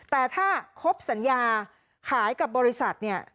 แต่ถ้าครบสัญญาขายกับบริษัทเนี่ย